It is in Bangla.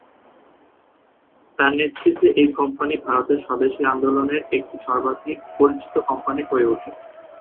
তাঁর নেতৃত্বে এই কোম্পানি ভারতের স্বদেশী আন্দোলনের একটি সর্বাধিক পরিচিত কোম্পানি হয়ে ওঠে।